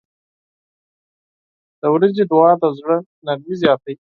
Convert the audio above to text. • د ورځې دعا د زړه نرمي زیاتوي.